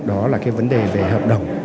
đó là cái vấn đề về hợp đồng